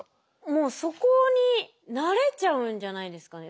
もうそこに慣れちゃうんじゃないですかね。